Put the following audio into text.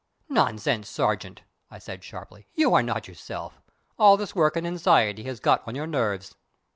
"Nonsense, Sergeant," I said sharply; "you are not yourself; all this work and anxiety has got on your nerves."